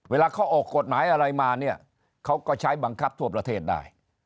เวลาเขาออกกฎหมายอะไรมาเนี่ยเขาก็ใช้บังคับทั่วประเทศได้